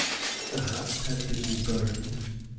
The huts had been burned.